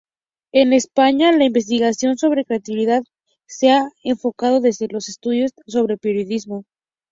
En España, la investigación sobre credibilidad se ha enfocado desde los estudios sobre periodismo.